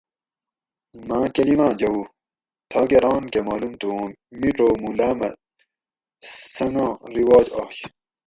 ماں کلیماۤں جوؤ تھاکہ ران کہ معلوم تھو اوں مِیڄو موں لامہ سنگاں رواج آش